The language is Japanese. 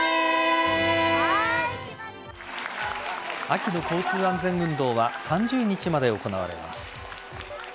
秋の交通安全運動は３０日まで行われます。